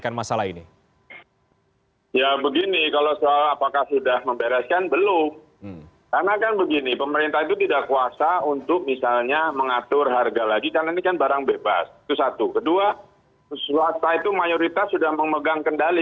kedua swasta itu mayoritas sudah memegang kendali